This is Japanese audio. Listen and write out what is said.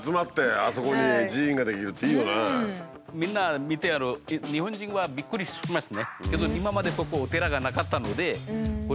みんな見てる日本人はびっくりしますね。